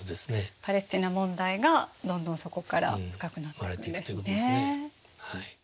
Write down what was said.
パレスティナ問題がどんどんそこから深くなっていくんですね。